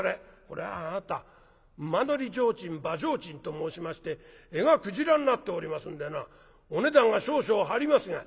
「これあなた馬乗提灯馬上提灯と申しまして柄がクジラになっておりますんでなお値段が少々張りますが」。